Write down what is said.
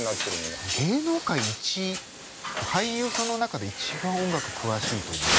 芸能界一俳優さんの中で一番音楽詳しいと思うの。